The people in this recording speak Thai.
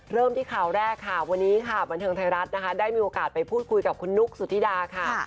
เริ่มที่ข่าวแรกค่ะวันนี้ค่ะบันเทิงไทยรัฐนะคะได้มีโอกาสไปพูดคุยกับคุณนุ๊กสุธิดาค่ะ